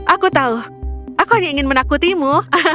aku tahu aku hanya ingin menakutimu